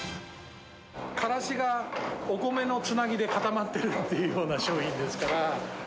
カラシがお米のつなぎで固まってっていうような商品ですから。